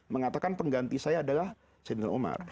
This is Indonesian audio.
mengatakan pengganti saya adalah sayyidinal umar